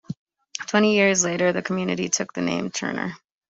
Twenty years later, the community took the name "Turner".